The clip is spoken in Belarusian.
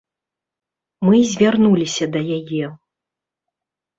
Мы звярнуліся да яе.